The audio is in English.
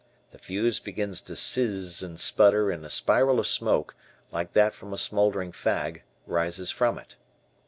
The fuse begins to "sizz" and sputter and a spiral of smoke, like that from a smouldering fag, rises from it.